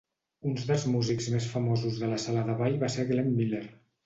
Un dels músics més famosos de la sala de ball va ser Glenn Miller.